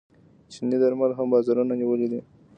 چیني درمل هم بازارونه نیولي دي.